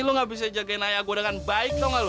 lu gak bisa jagain ayah gua dengan baik dong gak lu